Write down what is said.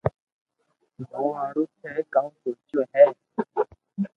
مون ھارو ٿي ڪاو سوچيو ھي